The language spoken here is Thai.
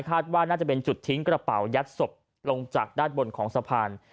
คาดว่าน่าจะเป็นจุดทิ้งกระเป๋ายัดศพลงจากด้านบนของสะพาน